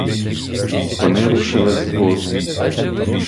Вони рушили з двору.